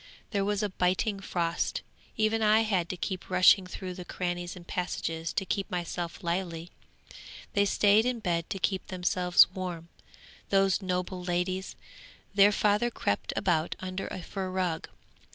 There was a biting frost. Even I had to keep rushing through the crannies and passages to keep myself lively. They stayed in bed to keep themselves warm, those noble ladies. Their father crept about under a fur rug.